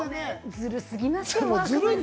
ズルすぎますよ。